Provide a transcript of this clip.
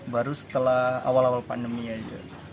baru setelah awal awal pandemi aja